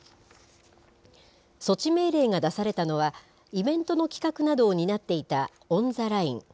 措置命令が出されたのは、イベントの企画などを担っていたオン・ザ・ライン。